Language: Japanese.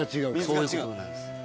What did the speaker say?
そういうことなんです。